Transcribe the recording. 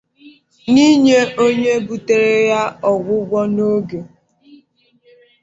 na inye onye butere ya ọgwụgwọ n'oge